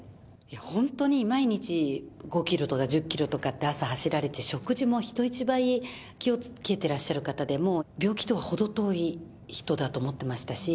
本当に毎日５キロとか１０キロとかって朝走られて、食事も人一倍気をつけてらっしゃる方で、もう、病気とは程遠い人だと思ってましたし。